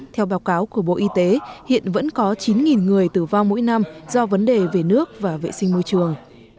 theo báo cáo của bộ y tế hiện vẫn có chín người tử vong mỗi năm do vấn đề về nước và vệ sinh môi trường